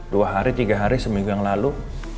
dua hari tiga hari seminggu yang lalu